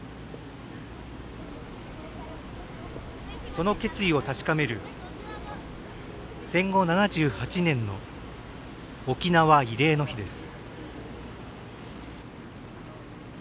その決意を確かめる戦後７８年の沖縄・慰霊の日です。